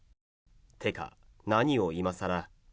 てか、何を今さら。